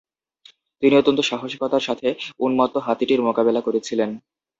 তিনি অত্যন্ত সাহসিকতার সাথে উন্মত্ত হাতিটির মোকাবেলা করেছিলেন।